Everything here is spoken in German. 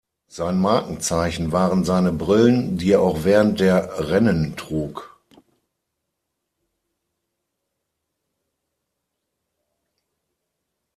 Sein Markenzeichen waren seine Brillen, die er auch während der Rennen trug.